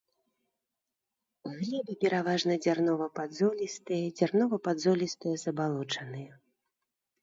Глебы пераважна дзярнова-падзолістыя, дзярнова-падзолістыя забалочаныя.